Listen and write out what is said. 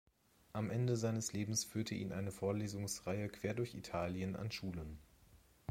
Am Ende seines Lebens führte ihn eine Vorlesungsreihe quer durch Italien an Schulen.